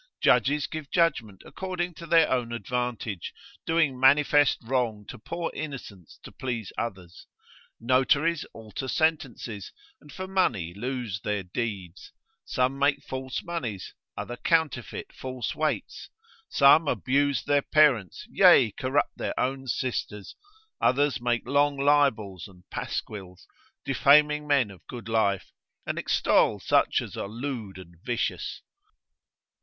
Judges give judgment according to their own advantage, doing manifest wrong to poor innocents to please others. Notaries alter sentences, and for money lose their deeds. Some make false monies; others counterfeit false weights. Some abuse their parents, yea corrupt their own sisters; others make long libels and pasquils, defaming men of good life, and extol such as are lewd and vicious.